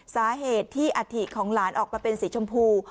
สาเหตุที่อาถิของหลานออกมาเป็นสีชมพู